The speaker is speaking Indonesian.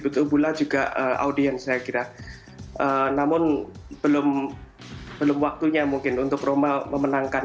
terima kasih juga audiens saya kira namun belum belum waktunya mungkin untuk roma memenangkan